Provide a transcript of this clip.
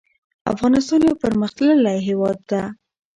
افغانستان يو پرمختللی هيواد ده